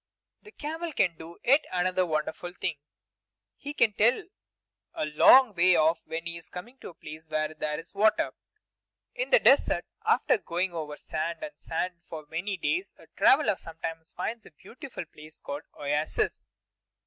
The camel can do yet another wonderful thing. He can tell a long way off when he is coming to a place where there is water. In the desert, after going over sand and sand for many days, a traveler sometimes finds a beautiful place called an oasis.